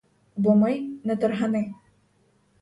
Бо ми — не таргани.